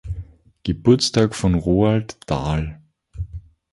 Geburtstag von Roald Dahl.